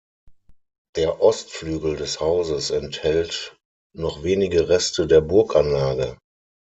Der Ostflügel des Hauses enthält noch wenige Reste der Burganlage.